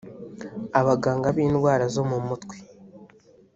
Abaganga b’indwara zo mu mutwe